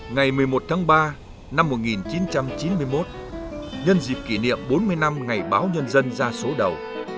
ngày một mươi một tháng ba năm một nghìn chín trăm chín mươi một nhân dịp kỷ niệm bốn mươi năm ngày báo nhân dân ra số đầu